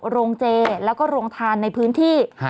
โรงเจแล้วก็โรงทานในพื้นที่